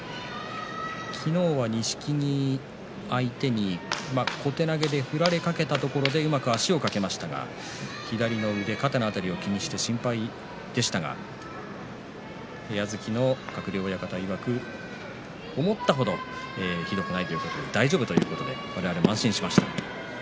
昨日は錦木相手に小手投げで振られかけたところでうまく足をかけましたが左の腕、肩の辺りを気にして心配でしたが部屋付きの鶴竜親方いわく思った程ひどくないということで大丈夫ということで我々も安心しました。